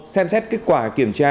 một xem xét kết quả kiểm tra